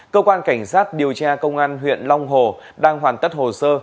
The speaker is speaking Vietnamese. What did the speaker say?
cơ quan cảnh sát điều tra công an huyện long hồ đang hoàn tất hồ sơ